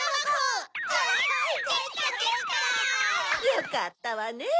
よかったわね！